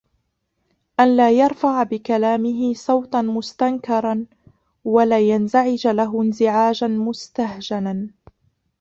أَنْ لَا يَرْفَعَ بِكَلَامِهِ صَوْتًا مُسْتَنْكَرًا وَلَا يَنْزَعِجَ لَهُ انْزِعَاجًا مُسْتَهْجَنًا